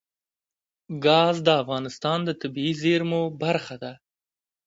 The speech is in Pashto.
ګاز د افغانستان د طبیعي زیرمو برخه ده.